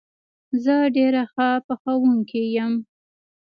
زه ډېره ښه پخوونکې یم